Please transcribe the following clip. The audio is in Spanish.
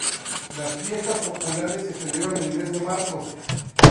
Las fiestas populares se celebran el mes de marzo.